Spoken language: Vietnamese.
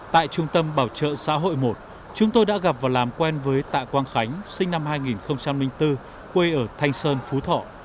tại trung tâm bảo trợ xã hội một chúng tôi đã gặp và làm quen với tạ quang khánh sinh năm hai nghìn bốn quê ở thanh sơn phú thọ